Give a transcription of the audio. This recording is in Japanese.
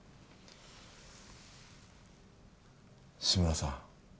志村さん